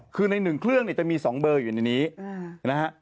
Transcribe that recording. คือใน๑เครื่องเนี่ยจะมี๒เบอร์อยู่ในนี้นะฮะ